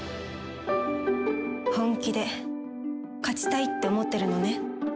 本気で勝ちたいって思ってるのね？